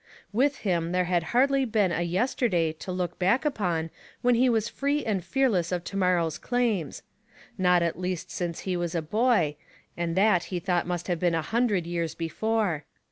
With him there had hardly been a yes terday to look back upon when he was free and fearless of to morrow's claims ; not at least since he was a boy, and that he thought must have been a hundred years before.